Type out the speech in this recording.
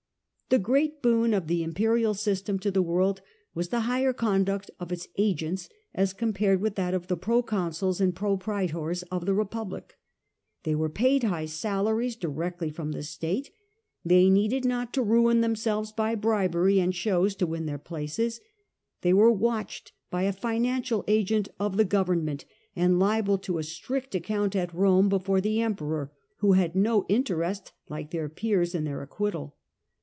The great boon of the imperial system to the world was the higher conduct of its agents as compared with Justcr rule that of the proconsuls and propraetors of the provincial Republic. They were paid high salaries di govemors. rectly from the state; they needed not to ruin themselves by bribery and shows to win their places; they were watched by a financial agent of the govern ment, and liable to a strict account at Rome before the Emperor, who had no interest, like their peers, in their acquittal.